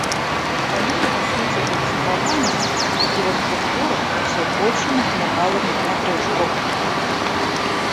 По мере развития повествования его структура все больше напоминала мне матрешку